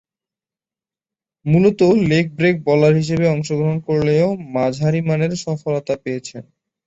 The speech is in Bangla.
মূলতঃ লেগ ব্রেক বোলার হিসেবে অংশগ্রহণ করলেও মাঝারিমানের সফলতা পেয়েছেন।